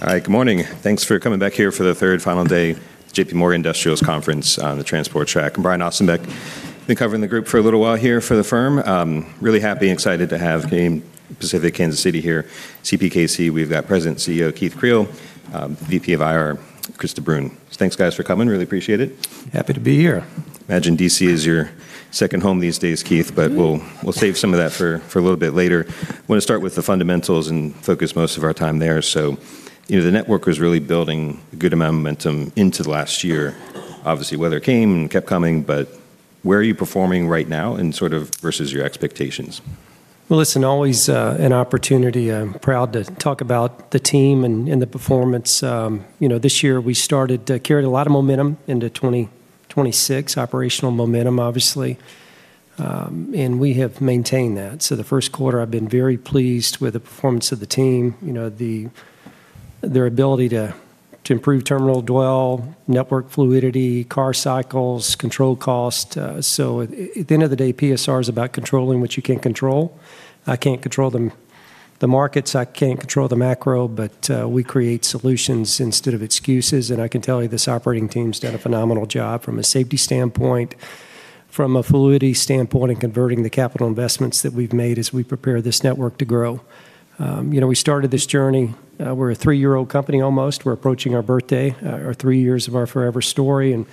All right. Good morning. Thanks for coming back here for the third and final day of the JPMorgan Industrials Conference on the transport track. I'm Brian Ossenbeck. Been covering the group for a little while here for the firm. Really happy and excited to have Canadian Pacific Kansas City here, CPKC. We've got President and CEO, Keith Creel, VP of IR, Maeghan Albiston. Thanks, guys, for coming. Really appreciate it. Happy to be here. Imagine D.C. is your second home these days, Keith. Mm-hmm. We'll save some of that for a little bit later. Want to start with the fundamentals and focus most of our time there. You know, the network was really building good momentum into last year. Obviously, weather came and kept coming, but where are you performing right now and sort of versus your expectations? Well, listen, always an opportunity. I'm proud to talk about the team and the performance. You know, this year we started carrying a lot of momentum into 2026, operational momentum, obviously. We have maintained that. The Q1, I've been very pleased with the performance of the team, you know, their ability to improve terminal dwell, network fluidity, car cycles, control cost. At the end of the day, PSR is about controlling what you can't control. I can't control the markets, I can't control the macro, but we create solutions instead of excuses. I can tell you, this operating team's done a phenomenal job from a safety standpoint, from a fluidity standpoint in converting the capital investments that we've made as we prepare this network to grow. You know, we started this journey, we're a three-year-old company almost. We're approaching our birthday, our three years of our forever story, and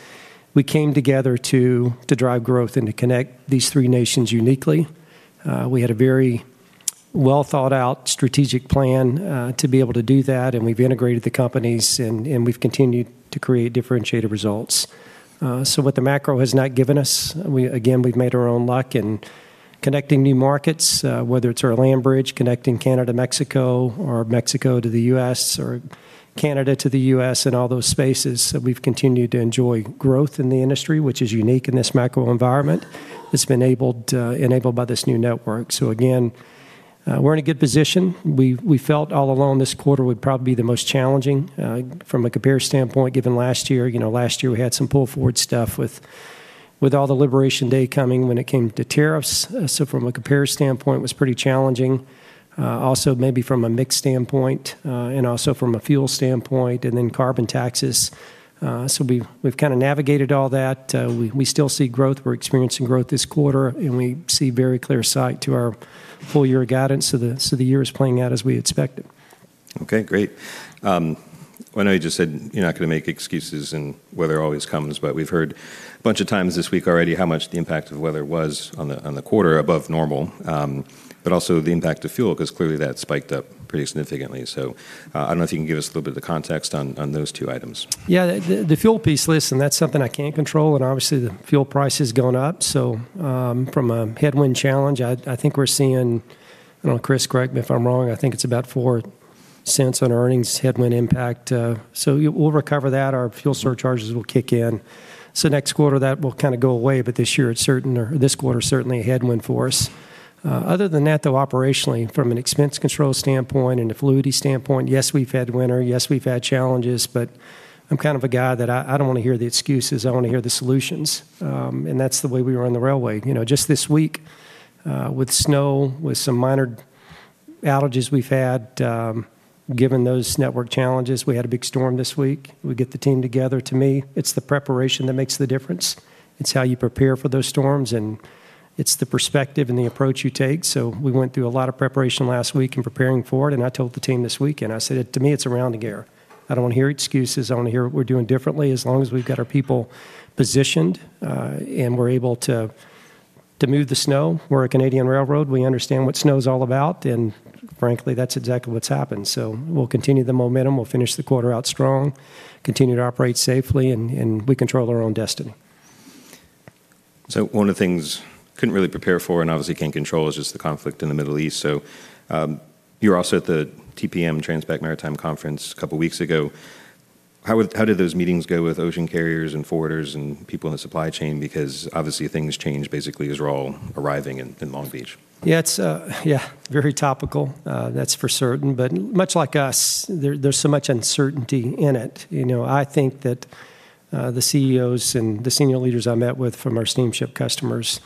we came together to drive growth and to connect these three nations uniquely. We had a very well-thought-out strategic plan to be able to do that, and we've integrated the companies and we've continued to create differentiated results. What the macro has not given us, we, again, we've made our own luck in connecting new markets, whether it's our land bridge, connecting Canada to Mexico or Mexico to the U.S. or Canada to the U.S. and all those spaces. We've continued to enjoy growth in the industry, which is unique in this macro environment. It's been enabled by this new network. We're in a good position. We felt all along this quarter would probably be the most challenging from a compare standpoint given last year. You know, last year we had some pull-forward stuff with all the Liberation Day coming when it came to tariffs. From a compare standpoint, it was pretty challenging. Also maybe from a mix standpoint, and also from a fuel standpoint, and then carbon taxes. We've kind of navigated all that. We still see growth. We're experiencing growth this quarter, and we see very clear sight to our full year guidance. The year is playing out as we expected. Okay. Great. I know you just said you're not going to make excuses and weather always comes, but we've heard a bunch of times this week already how much the impact of weather was on the quarter above normal, but also the impact of fuel, because clearly that spiked up pretty significantly. I don't know if you can give us a little bit of the context on those two items. Yeah. The fuel piece, listen, that's something I can't control and obviously the fuel price has gone up. From a headwind challenge, I think we're seeing. I don't know, Nadeem Velani, correct me if I'm wrong, I think it's about 0.04 on earnings headwind impact. We'll recover that. Our fuel surcharges will kick in. Next quarter that will kind of go away. This year it's certain or this quarter, certainly a headwind for us. Other than that, though, operationally, from an expense control standpoint and a fluidity standpoint, yes, we've had winter, yes, we've had challenges, but I'm kind of a guy that I don't want to hear the excuses. I want to hear the solutions. That's the way we run the railway. You know, just this week, with snow, with some minor outages we've had, given those network challenges. We had a big storm this week. We get the team together. To me, it's the preparation that makes the difference. It's how you prepare for those storms, and it's the perspective and the approach you take. We went through a lot of preparation last week in preparing for it, and I told the team this week and I said it, to me, it's a rounding error. I don't want to hear excuses. I want to hear what we're doing differently. As long as we've got our people positioned, and we're able to move the snow. We're a Canadian railroad. We understand what snow's all about. Frankly, that's exactly what's happened. We'll continue the momentum. We'll finish the quarter out strong, continue to operate safely, and we control our own destiny. One of the things couldn't really prepare for and obviously can't control is just the conflict in the Middle East. You were also at the TPM Transpacific Maritime Conference a couple of weeks ago. How did those meetings go with ocean carriers and forwarders and people in the supply chain? Because obviously things changed basically as we're all arriving in Long Beach. Yeah. It's yeah, very topical. That's for certain, but much like us, there's so much uncertainty in it. You know, I think that the CEOs and the senior leaders I met with from our steamship customers,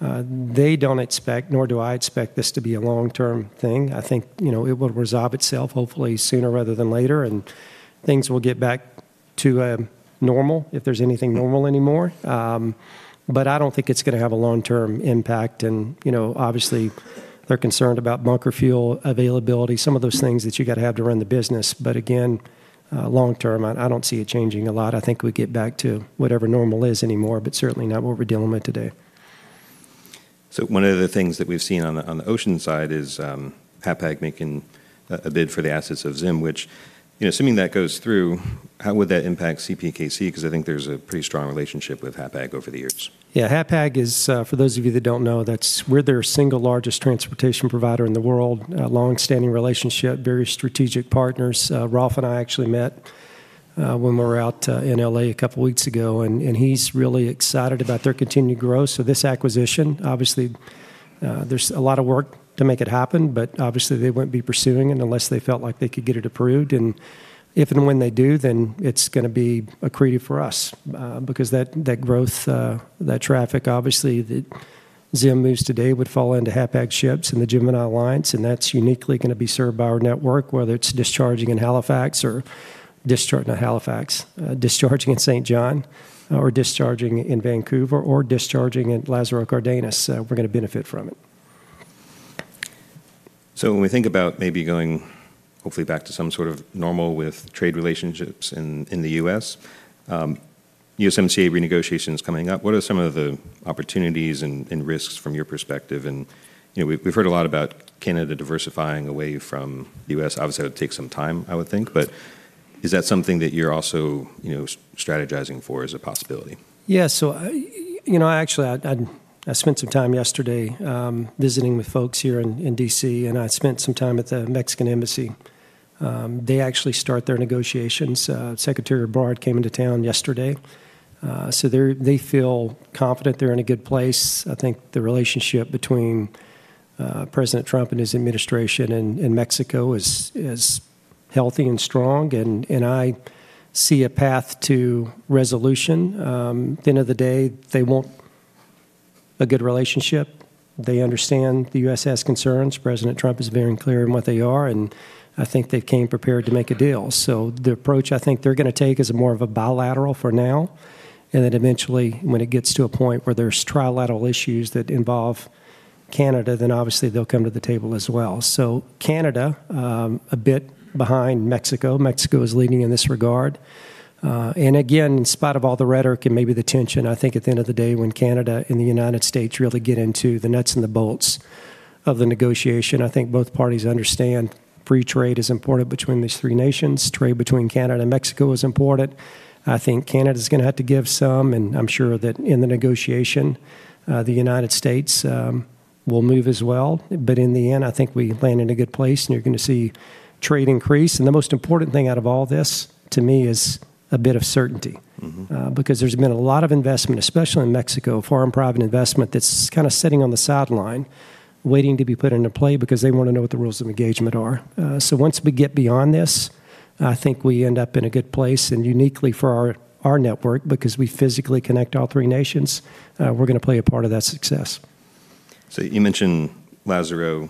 they don't expect, nor do I expect this to be a long-term thing. I think, you know, it will resolve itself hopefully sooner rather than later, and things will get back to normal, if there's anything normal anymore. But I don't think it's going to have a long-term impact. You know, obviously they're concerned about bunker fuel availability, some of those things that you got to have to run the business. But again, long term, I don't see it changing a lot. I think we get back to whatever normal is anymore, but certainly not what we're dealing with today. One of the things that we've seen on the ocean side is Hapag-Lloyd making a bid for the assets of Zim, which, you know, assuming that goes through, how would that impact CPKC? Because I think there's a pretty strong relationship with Hapag-Lloyd over the years. Yeah. Hapag is, for those of you that don't know, that's, we're their single largest transportation provider in the world. Longstanding relationship, very strategic partners. Rolf and I actually met when we were out in L.A. a couple weeks ago, and he's really excited about their continued growth. This acquisition, obviously, there's a lot of work to make it happen, but obviously they wouldn't be pursuing it unless they felt like they could get it approved. If and when they do, then it's going to be accretive for us, because that growth, that traffic, obviously the Zim moves today would fall into Hapag-Lloyd ships in the Gemini Cooperation, and that's uniquely gonna be served by our network, whether it's discharging in Saint John or discharging in Vancouver or discharging at Lázaro Cárdenas. We're gonna benefit from it. When we think about maybe going hopefully back to some sort of normal with trade relationships in the U.S., USMCA renegotiations coming up. What are some of the opportunities and risks from your perspective? You know, we've heard a lot about Canada diversifying away from the U.S. Obviously, that would take some time, I would think. Is that something that you're also, you know, strategizing for as a possibility? I spent some time yesterday visiting with folks here in D.C., and I spent some time at the Mexican Embassy. They start their negotiations. Marcelo Ebrard came into town yesterday. They feel confident they're in a good place. I think the relationship between Donald Trump and his administration in Mexico is healthy and strong, and I see a path to resolution. At the end of the day, they want a good relationship. They understand the U.S. has concerns. President Donald Trump is very clear in what they are, and I think they came prepared to make a deal. The approach I think they're gonna take is more of a bilateral for now, and then eventually, when it gets to a point where there's trilateral issues that involve Canada, then obviously they'll come to the table as well. Canada a bit behind Mexico. Mexico is leading in this regard. Again, in spite of all the rhetoric and maybe the tension, I think at the end of the day, when Canada and the United States really get into the nuts and the bolts of the negotiation, I think both parties understand free trade is important between these three nations. Trade between Canada and Mexico is important. I think Canada's gonna have to give some, and I'm sure that in the negotiation, the United States will move as well. In the end, I think we land in a good place, and you're gonna see trade increase. The most important thing out of all this, to me, is a bit of certainty. Mm-hmm. Because there's been a lot of investment, especially in Mexico, foreign private investment that's kinda sitting on the sideline waiting to be put into play because they wanna know what the rules of engagement are. Once we get beyond this, I think we end up in a good place and uniquely for our network because we physically connect all three nations, we're gonna play a part of that success. You mentioned Lázaro.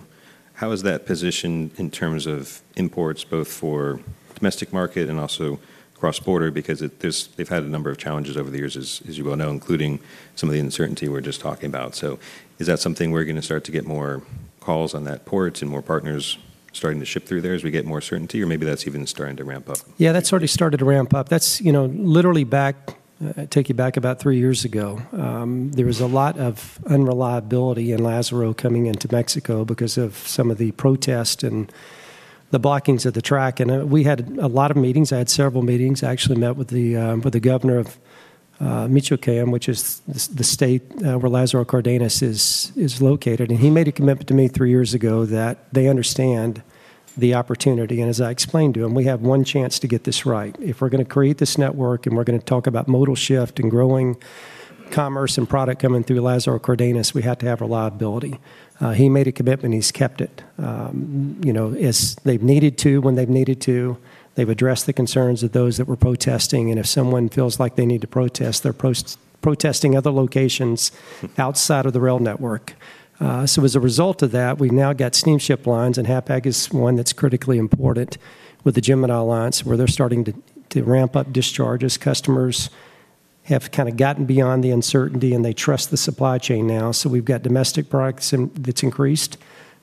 How is that positioned in terms of imports both for domestic market and also cross-border? Because they've had a number of challenges over the years, as you well know, including some of the uncertainty we're just talking about. Is that something we're gonna start to get more calls on that port and more partners starting to ship through there as we get more certainty, or maybe that's even starting to ramp up? Yeah, that's already started to ramp up. That's, you know, literally take you back about three years ago. There was a lot of unreliability in Lázaro Cárdenas coming into Mexico because of some of the protests and the blockings of the track. We had a lot of meetings. I had several meetings. I actually met with the governor of Michoacán, which is the state where Lázaro Cárdenas is located. He made a commitment to me three years ago that they understand the opportunity. As I explained to him, we have one chance to get this right. If we're gonna create this network, and we're gonna talk about modal shift and growing commerce and product coming through Lázaro Cárdenas, we have to have reliability. He made a commitment. He's kept it. You know, as they've needed to, when they've needed to, they've addressed the concerns of those that were protesting. If someone feels like they need to protest, they're protesting other locations outside of the rail network. As a result of that, we've now got steamship lines, and Hapag-Lloyd is one that's critically important with the Gemini Cooperation, where they're starting to ramp up discharges. Customers have kinda gotten beyond the uncertainty, and they trust the supply chain now. We've got domestic products, and that's increased.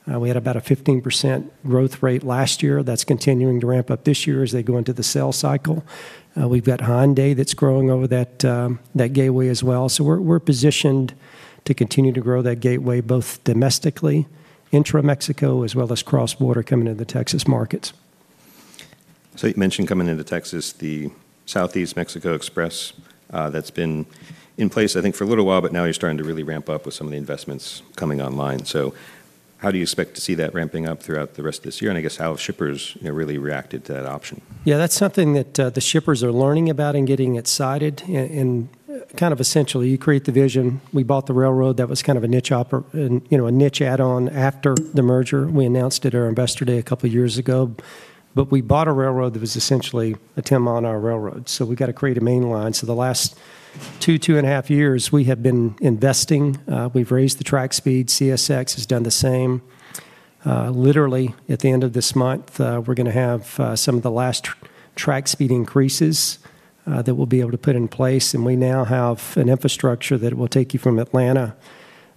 We had about a 15% growth rate last year. That's continuing to ramp up this year as they go into the sales cycle. We've got Hyundai that's growing over that gateway as well. We're positioned to continue to grow that gateway both domestically, intra Mexico, as well as cross-border coming into the Texas markets. You mentioned coming into Texas, the Southeast Mexico Express, that's been in place, I think, for a little while, but now you're starting to really ramp up with some of the investments coming online. How do you expect to see that ramping up throughout the rest of this year? I guess how have shippers, you know, really reacted to that option? Yeah, that's something that the shippers are learning about and getting excited. Kind of essentially, you create the vision. We bought the railroad. That was kind of a niche, you know, a niche add-on after the merger. We announced it at our investor day a couple years ago. We bought a railroad that was essentially a temp on our railroad, so we gotta create a main line. The last two and a half years, we have been investing. We've raised the track speed. CSX has done the same. Literally, at the end of this month, we're gonna have some of the last track speed increases that we'll be able to put in place. We now have an infrastructure that will take you from Atlanta,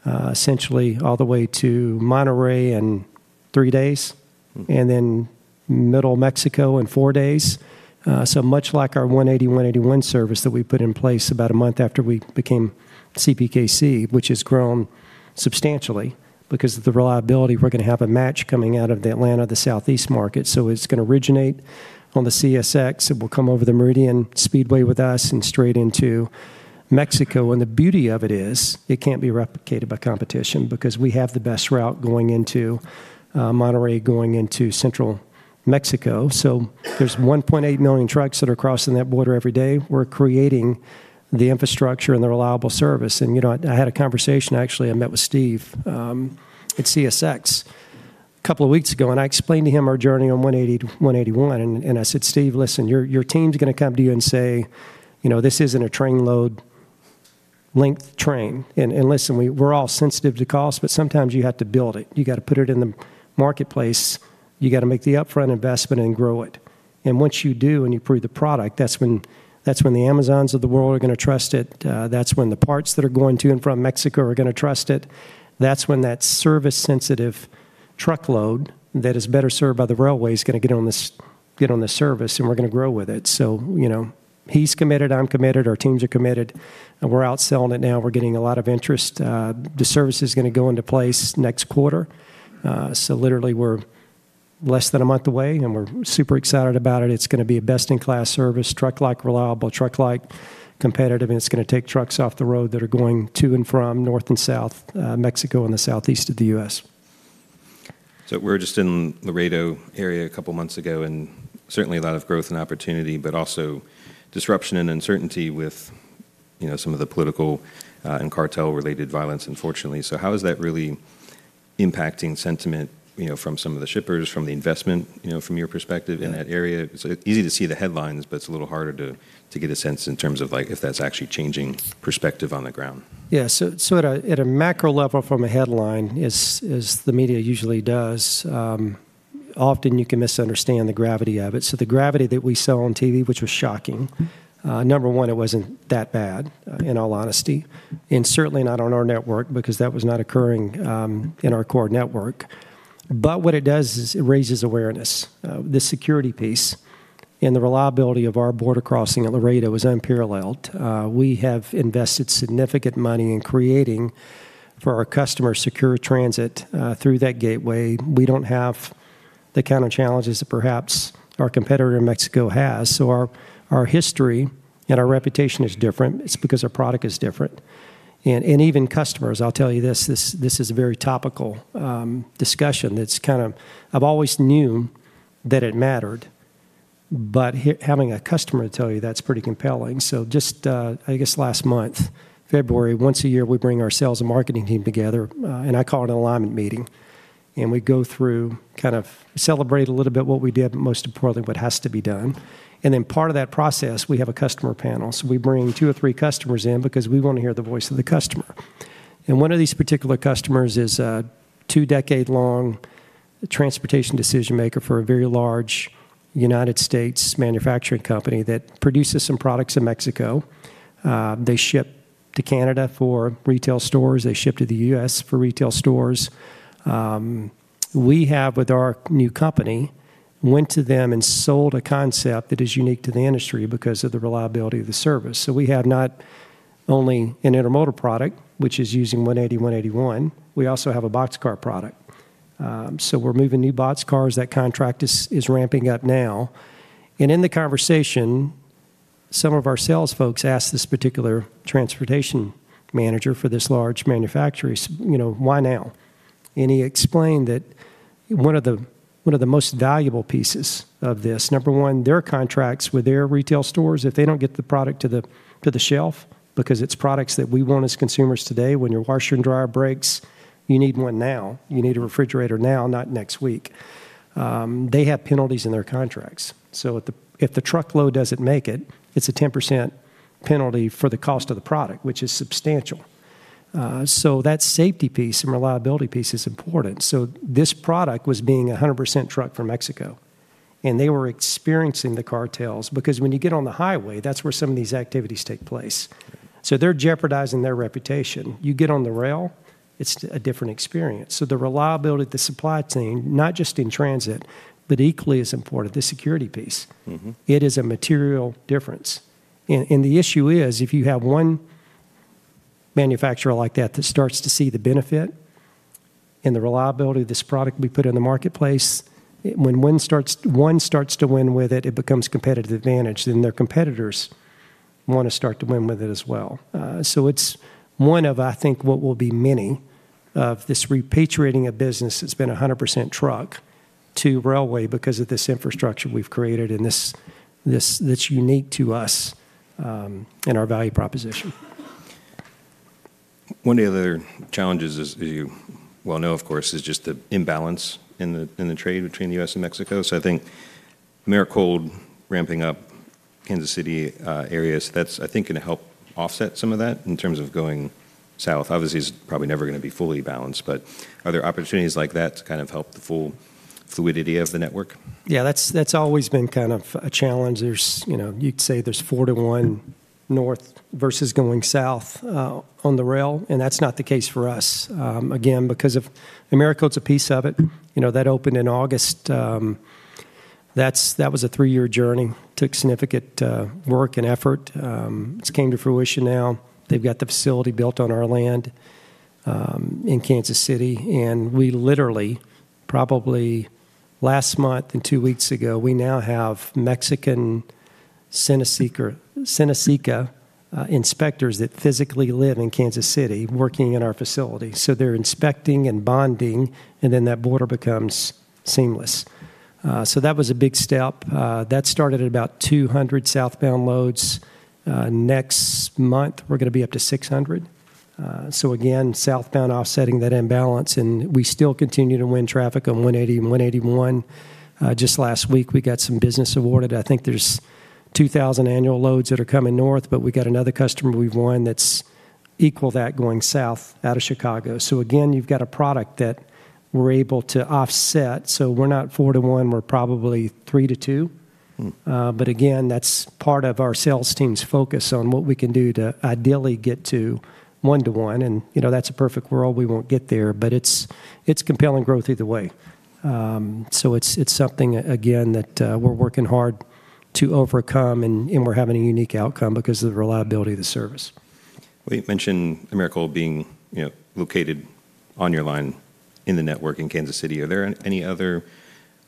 essentially all the way to Monterrey in three days, and then middle Mexico in four days. Much like our 180/181 service that we put in place about a month after we became CPKC, which has grown substantially because of the reliability, we're gonna have a match coming out of the Atlanta, the southeast market. It's gonna originate on the CSX. It will come over the Meridian Speedway with us and straight into Mexico. The beauty of it is it can't be replicated by competition because we have the best route going into Monterrey, going into central Mexico. There's 1.8 million trucks that are crossing that border every day. We're creating the infrastructure and the reliable service. You know, I had a conversation, actually. I met with Steve, at CSX. A couple of weeks ago, and I explained to him our journey on 180, 181, and I said, "Steve, listen, your team's gonna come to you and say, you know, this isn't a train load length train. Listen, we're all sensitive to cost, but sometimes you have to build it. You gotta put it in the marketplace. You gotta make the upfront investment and grow it. Once you do and you prove the product, that's when the Amazons of the world are gonna trust it. That's when the parts that are going to and from Mexico are gonna trust it. That's when that service-sensitive truckload that is better served by the railway is gonna get on this service, and we're gonna grow with it. You know, he's committed, I'm committed, our teams are committed, and we're out selling it now. We're getting a lot of interest. The service is gonna go into place next quarter. Literally we're less than a month away, and we're super excited about it. It's gonna be a best-in-class service, truck-like reliable, truck-like competitive, and it's gonna take trucks off the road that are going to and from North and South, Mexico and the Southeast of the U.S. We were just in Laredo area a couple months ago, and certainly a lot of growth and opportunity, but also disruption and uncertainty with, you know, some of the political, and cartel-related violence, unfortunately. How is that really impacting sentiment, you know, from some of the shippers, from the investment, you know, from your perspective in that area? It's easy to see the headlines, but it's a little harder to get a sense in terms of, like, if that's actually changing perspective on the ground. Yeah. At a macro level from a headline, as the media usually does, often you can misunderstand the gravity of it. The gravity that we saw on TV, which was shocking. Mm-hmm. Number one, it wasn't that bad, in all honesty, and certainly not on our network because that was not occurring in our core network. What it does is it raises awareness of the security piece, and the reliability of our border crossing at Laredo is unparalleled. We have invested significant money in creating for our customers secure transit through that gateway. We don't have the kind of challenges that perhaps our competitor in Mexico has. Our history and our reputation is different. It's because our product is different. Even customers, I'll tell you this is a very topical discussion that's kind of I've always knew that it mattered, but having a customer tell you that's pretty compelling. Just, I guess last month, February, once a year, we bring our selves and marketing team together, and I call it an alignment meeting, and we go through, kind of celebrate a little bit what we did, but most importantly, what has to be done. Then part of that process, we have a customer panel. We bring two or three customers in because we wanna hear the voice of the customer. One of these particular customers is a two-decade-long transportation decision-maker for a very large United States manufacturing company that produces some products in Mexico. They ship to Canada for retail stores. They ship to the U.S. for retail stores. We have, with our new company, went to them and sold a concept that is unique to the industry because of the reliability of the service. We have not only an intermodal product, which is using 180, 181, we also have a boxcar product. We're moving new boxcars. That contract is ramping up now. In the conversation, some of our sales folks asked this particular transportation manager for this large manufacturer, he said, you know, "Why now?" He explained that one of the most valuable pieces of this, number one, their contracts with their retail stores, if they don't get the product to the shelf because it's products that we want as consumers today, when your washer and dryer breaks, you need one now. You need a refrigerator now, not next week. They have penalties in their contracts. If the truckload doesn't make it's a 10% penalty for the cost of the product, which is substantial. That safety piece and reliability piece is important. This product was being 100% trucked from Mexico, and they were experiencing the cartels because when you get on the highway, that's where some of these activities take place. They're jeopardizing their reputation. You get on the rail, it's a different experience. The reliability of the supply chain, not just in transit, but equally as important, the security piece. Mm-hmm. It is a material difference. The issue is, if you have one manufacturer like that that starts to see the benefit and the reliability of this product we put in the marketplace, when one starts to win with it becomes competitive advantage, then their competitors wanna start to win with it as well. It's one of, I think, what will be many of this repatriating a business that's been 100% truck to railway because of this infrastructure we've created and this that's unique to us, and our value proposition. One of the other challenges, as you well know, of course, is just the imbalance in the trade between the U.S. and Mexico. I think Americold ramping up Kansas City areas, that's, I think, gonna help offset some of that in terms of going south. Obviously, it's probably never gonna be fully balanced, but are there opportunities like that to kind of help the full fluidity of the network? Yeah, that's always been kind of a challenge. There's, you know, you'd say there's four to one north versus going south on the rail, and that's not the case for us. Again, because of Americold's a piece of it. You know, that opened in August. That was a three-year journey. Took significant work and effort. It's came to fruition now. They've got the facility built on our land in Kansas City. We literally, probably last month and two weeks ago, we now have Mexican SENASICA inspectors that physically live in Kansas City working in our facility. They're inspecting and bonding, and then that border becomes seamless. That was a big step. That started at about 200 southbound loads. Next month we're gonna be up to 600. Again, southbound offsetting that imbalance, and we still continue to win traffic on 180 and 181. Just last week, we got some business awarded. I think there's 2000 annual loads that are coming north, but we got another customer we've won that's equal that going south out of Chicago. Again, you've got a product that we're able to offset. We're not four to one, we're probably three to two. Mm. Again, that's part of our sales team's focus on what we can do to ideally get to one to one. You know, that's a perfect world. We won't get there, but it's compelling growth either way. It's something again that we're working hard to overcome and we're having a unique outcome because of the reliability of the service. Well, you mentioned Americold being, you know, located on your line in the network in Kansas City. Are there any other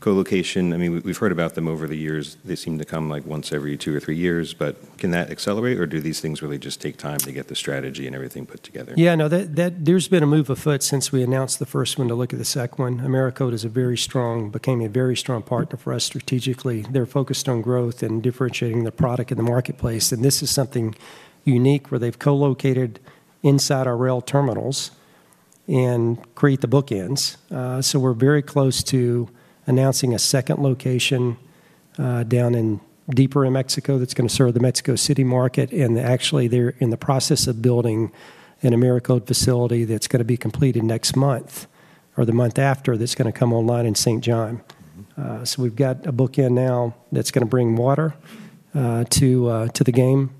co-location? I mean, we've heard about them over the years. They seem to come, like, once every two years or three years. But can that accelerate, or do these things really just take time to get the strategy and everything put together? Yeah, no. That. There's been a move afoot since we announced the first one to look at the second one. Americold became a very strong partner for us strategically. They're focused on growth and differentiating the product in the marketplace. This is something unique where they've co-located inside our rail terminals and create the bookends. So we're very close to announcing a second location, down deeper in Mexico that's gonna serve the Mexico City market. Actually, they're in the process of building an Americold facility that's gonna be completed next month or the month after that's gonna come online in St. John. Mm-hmm. We've got a bookend now that's gonna bring water to the game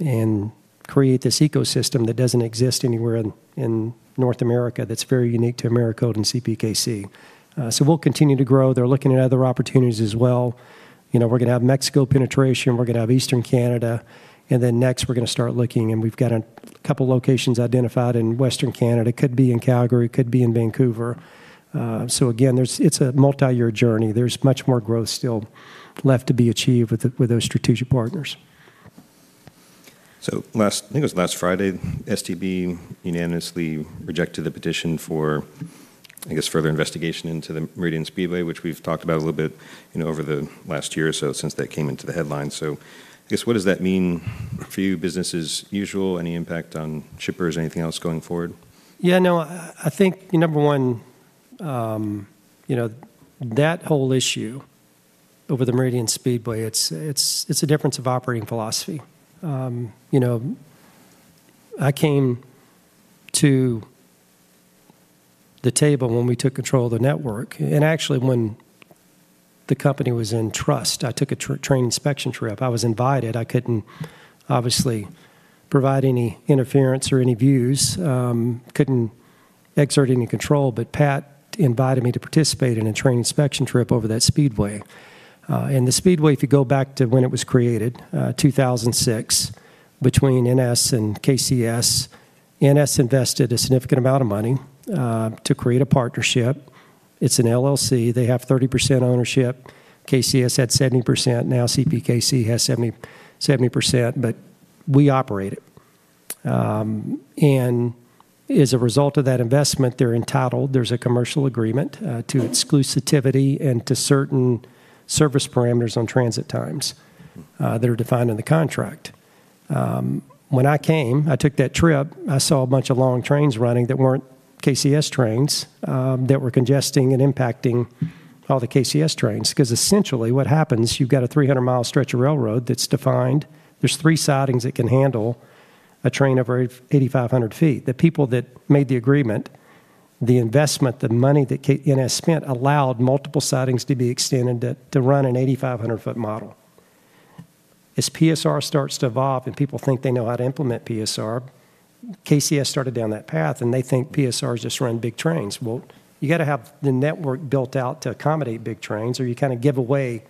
and create this ecosystem that doesn't exist anywhere in North America that's very unique to Americold and CPKC. We'll continue to grow. They're looking at other opportunities as well. You know, we're gonna have Mexico penetration, we're gonna have Eastern Canada, and then next we're gonna start looking, and we've got a couple locations identified in Western Canada. Could be in Calgary, could be in Vancouver. It's a multi-year journey. There's much more growth still left to be achieved with those strategic partners. Last, I think it was last Friday, STB unanimously rejected the petition for, I guess, further investigation into the Meridian Speedway, which we've talked about a little bit, you know, over the last year or so since that came into the headlines. I guess, what does that mean for you? Business as usual? Any impact on shippers? Anything else going forward? Yeah, no. I think, number one, you know, that whole issue over the Meridian Speedway, it's a difference of operating philosophy. You know, I came to the table when we took control of the network, and actually, when the company was in trust, I took a train inspection trip. I was invited. I couldn't obviously provide any interference or any views, couldn't exert any control, but Pat invited me to participate in a train inspection trip over that speedway. The speedway, if you go back to when it was created, 2006 between NS and KCS, NS invested a significant amount of money to create a partnership. It's an LLC. They have 30% ownership. KCS had 70%. Now CPKC has 70%, but we operate it. As a result of that investment, they're entitled. There's a commercial agreement to exclusivity and to certain service parameters on transit times that are defined in the contract. When I came, I took that trip. I saw a bunch of long trains running that weren't KCS trains that were congesting and impacting all the KCS trains. 'Cause essentially what happens, you've got a 300 mi stretch of railroad that's defined. There's three sidings that can handle a train over 8,500 ft. The people that made the agreement, the investment, the money that KCS spent allowed multiple sidings to be extended to run an 8,500 ft model. As PSR starts to evolve and people think they know how to implement PSR, KCS started down that path, and they think PSR is just run big trains. Well, you gotta have the network built out to accommodate big trains, or you kinda give away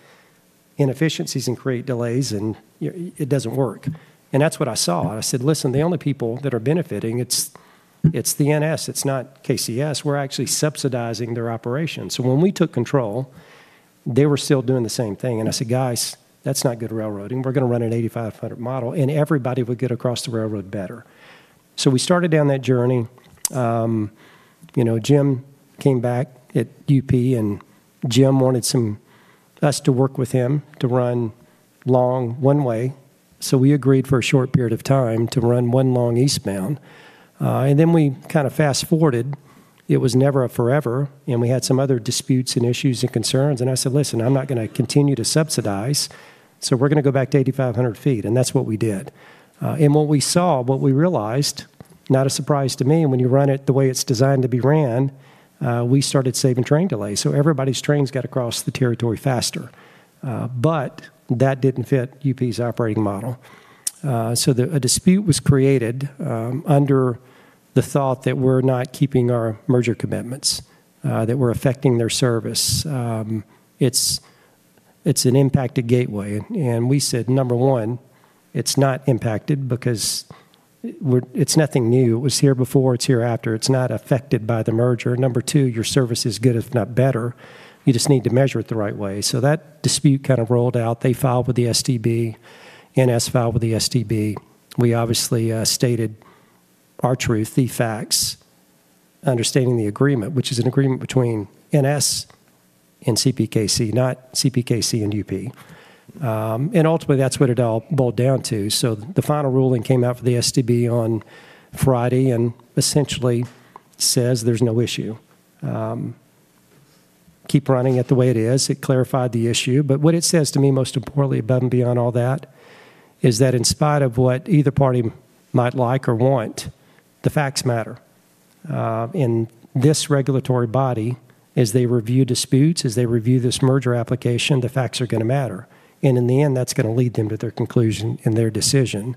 inefficiencies and create delays, and it doesn't work. That's what I saw. I said, "Listen, the only people that are benefiting, it's the NS, it's not KCS. We're actually subsidizing their operations." When we took control, they were still doing the same thing. I said, "Guys, that's not good railroading. We're gonna run an 8,500 model, and everybody would get across the railroad better." We started down that journey. You know, Jim came back at UP, and Jim wanted us to work with him to run long one way. We agreed for a short period of time to run one long eastbound. Then we kinda fast-forwarded. It was never a forever, and we had some other disputes and issues and concerns, and I said, "Listen, I'm not gonna continue to subsidize. So we're gonna go back to 8,500 ft." That's what we did. What we saw, what we realized, not a surprise to me, and when you run it the way it's designed to be ran, we started saving train delays, so everybody's trains got across the territory faster. That didn't fit UP's operating model. A dispute was created under the thought that we're not keeping our merger commitments, that we're affecting their service. It's an impacted gateway. We said, "Number one, it's not impacted because it's nothing new. It was here before. It's here after. It's not affected by the merger. Number two, your service is good, if not better. You just need to measure it the right way." That dispute kind of rolled out. They filed with the STB. NS filed with the STB. We obviously stated our truth, the facts. Understanding the agreement, which is an agreement between NS and CPKC, not CPKC and UP. And ultimately, that's what it all boiled down to. The final ruling came out for the STB on Friday and essentially says there's no issue. Keep running it the way it is. It clarified the issue. What it says to me most importantly above and beyond all that is that in spite of what either party might like or want, the facts matter. In this regulatory body, as they review disputes, as they review this merger application, the facts are gonna matter. In the end, that's gonna lead them to their conclusion and their decision.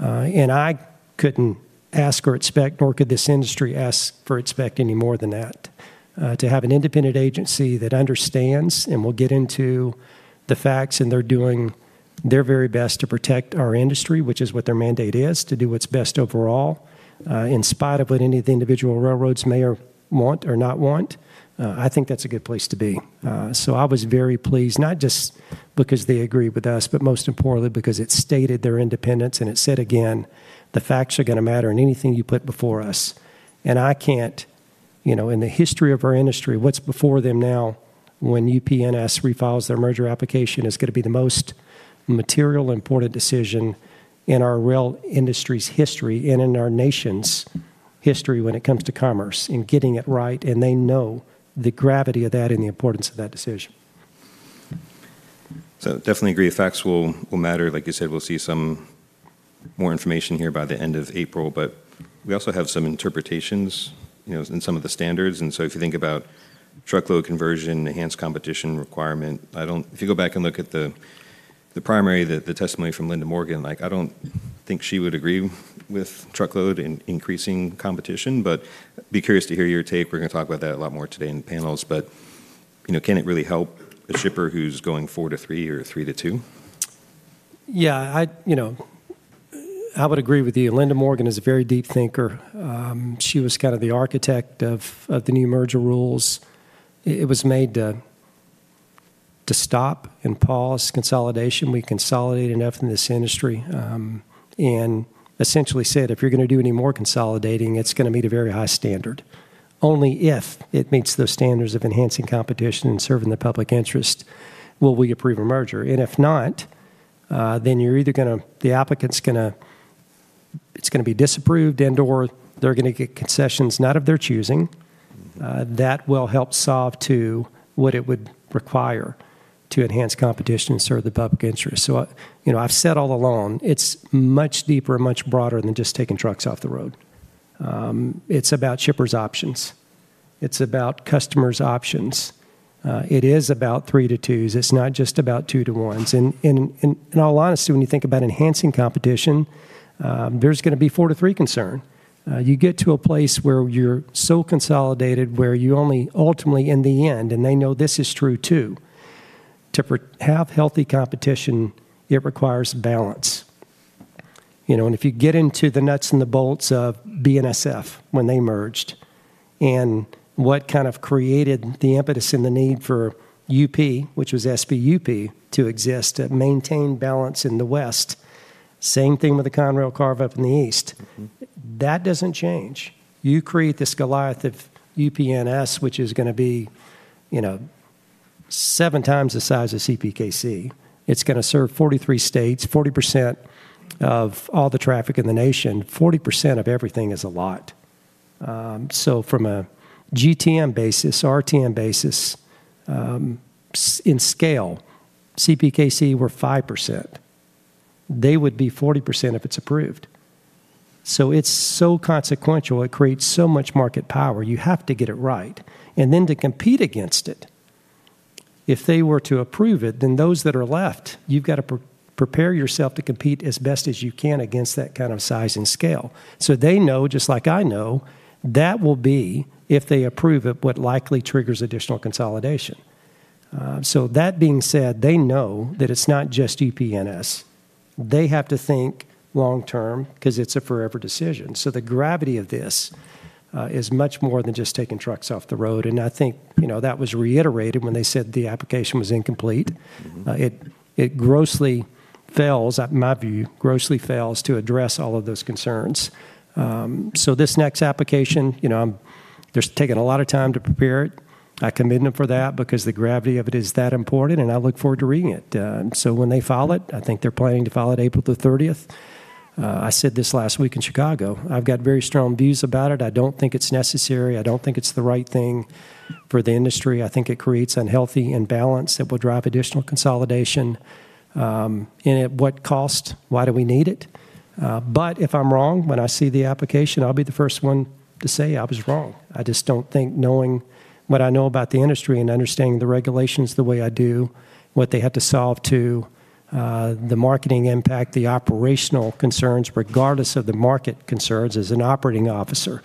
I couldn't ask or expect, nor could this industry ask for or expect any more than that. To have an independent agency that understands and will get into the facts, and they're doing their very best to protect our industry, which is what their mandate is, to do what's best overall, in spite of what any of the individual railroads may or want or not want, I think that's a good place to be. I was very pleased, not just because they agreed with us, but most importantly because it stated their independence, and it said again, "The facts are gonna matter in anything you put before us." I can't. You know, in the history of our industry, what's before them now when UP/NS refiles their merger application is gonna be the most material important decision in our rail industry's history and in our nation's history when it comes to commerce and getting it right, and they know the gravity of that and the importance of that decision. Definitely agree the facts will matter. Like you said, we'll see some more information here by the end of April. We also have some interpretations, you know, in some of the standards. If you think about truckload conversion, enhanced competition requirement, I don't. If you go back and look at the primary testimony from Linda Morgan, like, I don't think she would agree with truckload in increasing competition. Be curious to hear your take. We're gonna talk about that a lot more today in the panels. You know, can it really help a shipper who's going four to three or three to two? Yeah, you know, I would agree with you. Linda Morgan is a very deep thinker. She was kind of the architect of the new merger rules. It was made to stop and pause consolidation. We consolidated enough in this industry, and essentially said, "If you're gonna do any more consolidating, it's gonna meet a very high standard. Only if it meets those standards of enhancing competition and serving the public interest will we approve a merger. If not, then you're either gonna be disapproved and/or they're gonna get concessions not of their choosing. Mm-hmm. That will help solve to what it would require to enhance competition and serve the public interest. You know, I've said all along, it's much deeper and much broader than just taking trucks off the road. It's about shippers' options. It's about customers' options. It is about three to twos. It's not just about two to ones. And in all honesty, when you think about enhancing competition, there's gonna be four to three concern. You get to a place where you're so consolidated where you only ultimately in the end, and they know this is true too, have healthy competition, it requires balance. You know, if you get into the nuts and the bolts of BNSF when they merged and what kind of created the impetus and the need for UP, which was SP/UP, to exist to maintain balance in the West, same thing with the Conrail carve-up in the East. Mm-hmm. That doesn't change. You create this Goliath of UP/NS, which is gonna be, you know, 7x the size of CPKC. It's gonna serve 43 states, 40% of all the traffic in the nation. 40% of everything is a lot. From a GTM basis, RTM basis, in scale, CPKC were 5%. They would be 40% if it's approved. It's so consequential. It creates so much market power. You have to get it right. To compete against it, if they were to approve it, then those that are left, you've got to prepare yourself to compete as best as you can against that kind of size and scale. They know, just like I know, that will be, if they approve it, what likely triggers additional consolidation. That being said, they know that it's not just UP/NS. They have to think long term 'cause it's a forever decision. The gravity of this is much more than just taking trucks off the road, and I think, you know, that was reiterated when they said the application was incomplete. Mm-hmm. It grossly fails in my view to address all of those concerns. This next application, you know, they're taking a lot of time to prepare it. I commend them for that because the gravity of it is that important, and I look forward to reading it. When they file it, I think they're planning to file it April 30. I said this last week in Chicago. I've got very strong views about it. I don't think it's necessary. I don't think it's the right thing for the industry. I think it creates unhealthy imbalance that will drive additional consolidation. At what cost? Why do we need it? If I'm wrong, when I see the application, I'll be the first one to say I was wrong. I just don't think knowing what I know about the industry and understanding the regulations the way I do, what they have to solve to, the marketing impact, the operational concerns, regardless of the market concerns as an operating officer,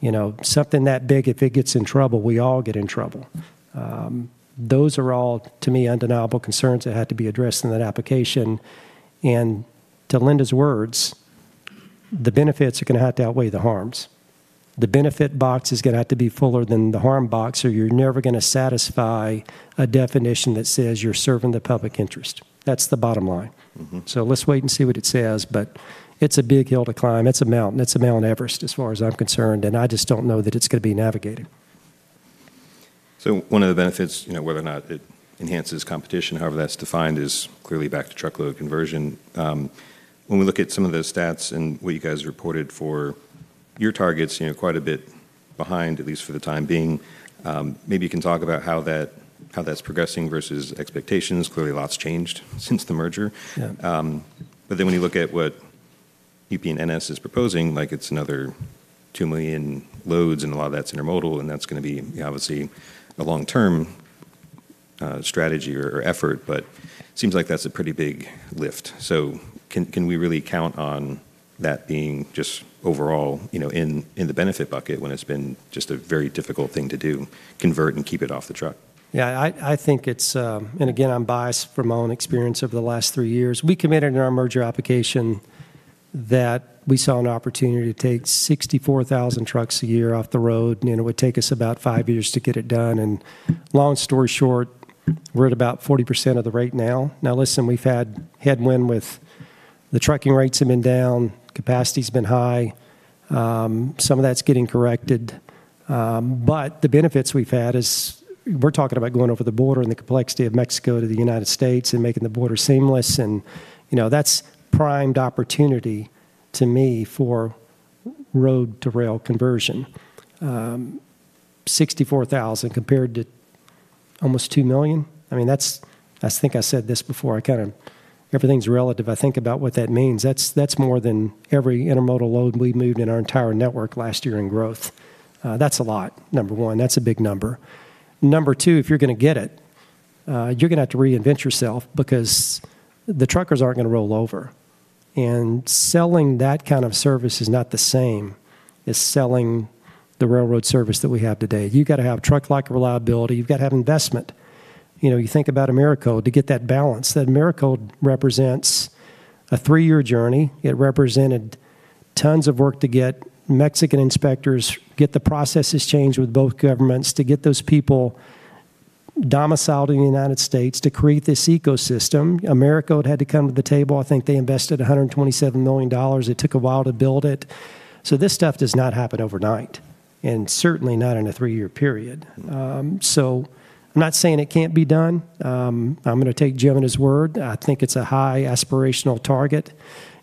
you know, something that big, if it gets in trouble, we all get in trouble. Those are all, to me, undeniable concerns that had to be addressed in that application. To Linda's words, the benefits are gonna have to outweigh the harms. The benefit box is gonna have to be fuller than the harm box, or you're never gonna satisfy a definition that says you're serving the public interest. That's the bottom line. Mm-hmm. Let's wait and see what it says, but it's a big hill to climb. It's a mountain. It's a Mt Everest as far as I'm concerned, and I just don't know that it's gonna be navigated. One of the benefits, you know, whether or not it enhances competition, however that's defined, is clearly back to truckload conversion. When we look at some of the stats and what you guys reported for your targets, you know, quite a bit behind, at least for the time being, maybe you can talk about how that's progressing versus expectations. Clearly, a lot's changed since the merger. Yeah. When you look at what UP and NS is proposing, like it's another 2 million loads, and a lot of that's intermodal, and that's gonna be obviously a long-term strategy or effort. Seems like that's a pretty big lift. Can we really count on that being just overall, you know, in the benefit bucket when it's been just a very difficult thing to do, convert and keep it off the truck? Yeah, I think it's. Again, I'm biased from my own experience over the last three years. We committed in our merger application that we saw an opportunity to take 64,000 trucks a year off the road, and it would take us about five years to get it done. Long story short, we're at about 40% of the rate now. Now listen, we've had headwind with the trucking rates have been down, capacity's been high. Some of that's getting corrected. The benefits we've had is we're talking about going over the border and the complexity of Mexico to the United States and making the border seamless and, you know, that's prime opportunity to me for road-to-rail conversion. 64,000 compared to almost 2 million. I mean, that's. I think I said this before. I kinda. Everything's relative. I think about what that means. That's more than every intermodal load we moved in our entire network last year in growth. That's a lot, number one. That's a big number. Number two, if you're gonna get it, you're gonna have to reinvent yourself because the truckers aren't gonna roll over. Selling that kind of service is not the same as selling the railroad service that we have today. You've gotta have truck-like reliability. You've gotta have investment. You know, you think about Americold to get that balance. That Americold represents a three-year journey. It represented tons of work to get Mexican inspectors, get the processes changed with both governments, to get those people domiciled in the United States to create this ecosystem. Americold had to come to the table. I think they invested $127 million. It took a while to build it. This stuff does not happen overnight, and certainly not in a three-year period. I'm not saying it can't be done. I'm gonna take Jim at his word. I think it's a high aspirational target,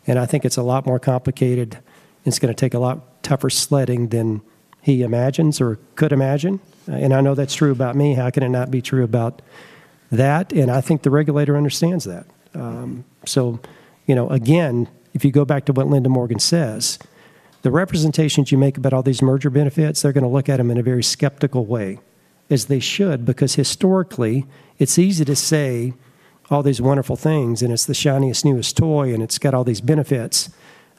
and I think it's a lot more complicated, and it's gonna take a lot tougher sledding than he imagines or could imagine. I know that's true about me. How can it not be true about that? I think the regulator understands that. You know, again, if you go back to what Linda Morgan says, the representations you make about all these merger benefits, they're gonna look at them in a very skeptical way, as they should, because historically, it's easy to say all these wonderful things, and it's the shiniest, newest toy, and it's got all these benefits.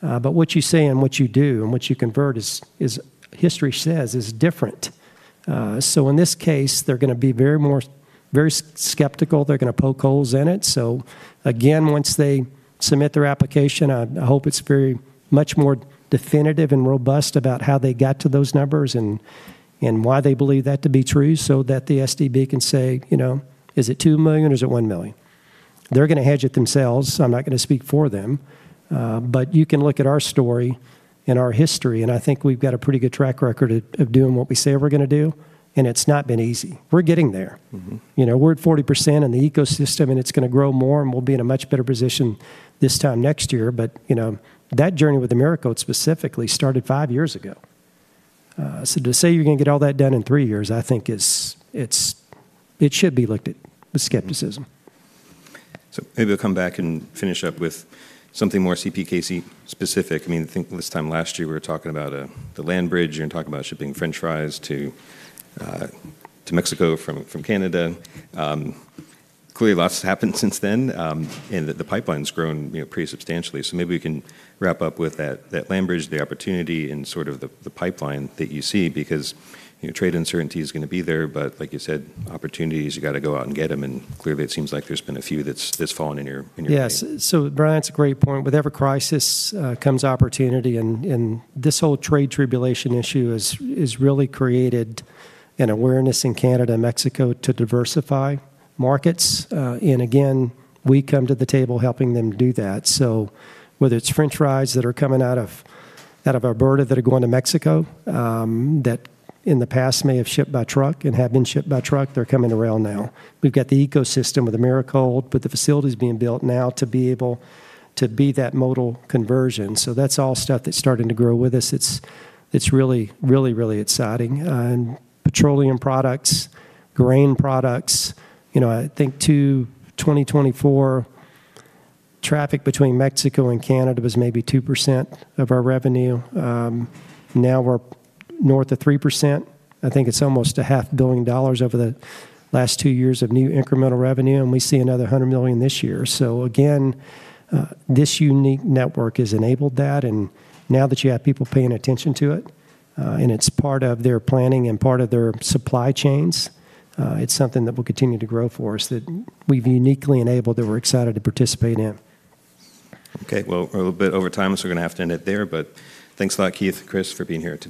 What you say and what you do and what you commit is history says is different. In this case, they're gonna be very much more skeptical. They're gonna poke holes in it. Once they submit their application, I hope it's very much more definitive and robust about how they got to those numbers and why they believe that to be true, so that the STB can say, you know, "Is it 2 million or is it 1 million?" They're gonna hedge it themselves. I'm not gonna speak for them. You can look at our story and our history, and I think we've got a pretty good track record of doing what we say we're gonna do, and it's not been easy. We're getting there. Mm-hmm. You know, we're at 40% in the ecosystem, and it's gonna grow more, and we'll be in a much better position this time next year. You know, that journey with Americold specifically started five years ago. To say you're gonna get all that done in three years, I think it should be looked at with skepticism. Maybe we'll come back and finish up with something more CPKC specific. I mean, I think this time last year, we were talking about the land bridge and talking about shipping French fries to Mexico from Canada. Clearly, lots has happened since then, and the pipeline's grown, you know, pretty substantially. Maybe we can wrap up with that land bridge, the opportunity and sort of the pipeline that you see because, you know, trade uncertainty is gonna be there. Like you said, opportunities, you gotta go out and get them. Clearly, it seems like there's been a few that's fallen in your lane. Yes. Brian, that's a great point. With every crisis comes opportunity, and this whole trade tribulation issue has really created an awareness in Canada and Mexico to diversify markets. Again, we come to the table helping them do that. Whether it's french fries that are coming out of Alberta that are going to Mexico that in the past may have shipped by truck and have been shipped by truck, they're coming to rail now. We've got the ecosystem with Americold, with the facilities being built now to be able to be that modal conversion. That's all stuff that's starting to grow with us. It's really exciting. Petroleum products, grain products. You know, I think to 2024, traffic between Mexico and Canada was maybe 2% of our revenue. Now we're north of 3%. I think it's almost a $0.5 billion over the last two years of new incremental revenue, and we see another $100 million this year. This unique network has enabled that. Now that you have people paying attention to it, and it's part of their planning and part of their supply chains, it's something that will continue to grow for us that we've uniquely enabled that we're excited to participate in. Okay. Well, we're a little bit over time, so we're gonna have to end it there. Thanks a lot, Keith, Chris, for being here today.